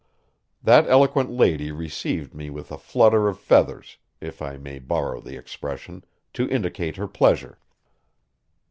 That eloquent lady received me with a flutter of feathers, if I may borrow the expression, to indicate her pleasure.